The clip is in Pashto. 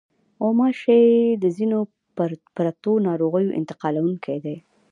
غوماشې د ځینو پرتو ناروغیو انتقالوونکې دي.